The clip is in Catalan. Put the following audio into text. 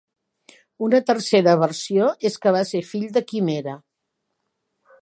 Una tercera versió és que va ser fill de Quimera.